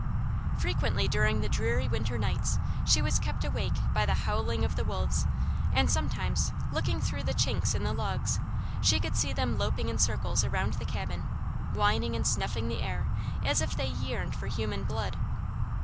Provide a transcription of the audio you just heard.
Frequently during the dreary winter nights she was kept awake by the howling of the wolves, and sometimes, looking through the chinks in the logs, she could see them loping in circles around the cabin, whining and snuffing the air as if they yearned for human blood.